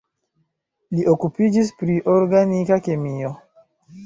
Li okupiĝis pri organika kemio.